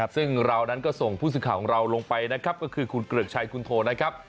ซึ่งเรานั้นก็ส่งผู้สื่อข่าวของเราลงไปนะครับก็คือคุณเกริกชัยคุณโทนะครับ